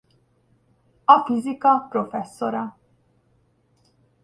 A fizika professzora.